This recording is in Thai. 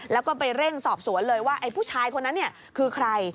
แล้วก็ไปเร่งสอบสวนเลยว่าไอ้ผู้ชายคนนั้นคือใคร